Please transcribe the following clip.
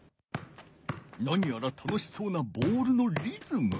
なにやら楽しそうなボールのリズム。